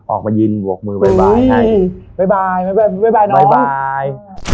ออกมายินบวกมือบ๊ายบายให้บ๊ายบายบ๊ายบายบ๊ายบายน้องบ๊ายบาย